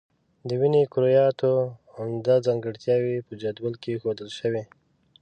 د وینې کرویاتو عمده ځانګړتیاوې په جدول کې ښودل شوي.